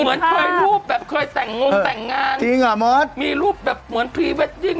เหมือนเคยรูปแบบเคยแต่งงแต่งงานจริงอ่ะมอสมีรูปแบบเหมือนพรีเวดดิ้ง